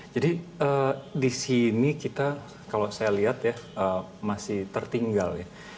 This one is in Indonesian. jadi di sini kita kalau saya lihat ya masih tertinggal ya